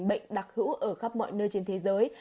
bệnh đặc hữu ở khắp mọi nơi trên thế giới